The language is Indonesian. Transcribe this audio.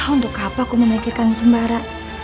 ah untuk apa aku memikirkan sembara